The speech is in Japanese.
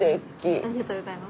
ありがとうございます。